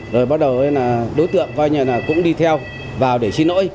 rồi bắt đầu đối tượng cũng đi theo vào để xin lỗi